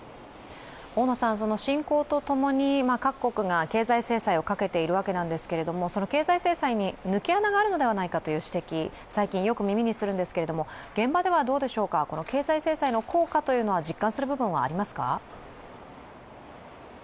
侵攻と共に各国が経済制裁をかけているわけなんですがその経済制裁に抜け穴があるのではないかという指摘、最近よく耳にするんですけれども、現場ではどうでしょうか、経済制裁の効果を実感する部分はありますか？